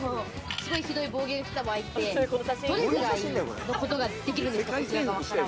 すごいひどい暴言が来た場合って、どれくらいのことができるんでしょうか？